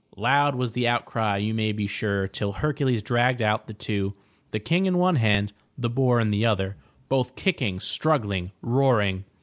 Loud was the outcry, you may be sure, till Hercules dragged out the two, the King in one hand, the boar in the other, both kicking, struggling, roaring!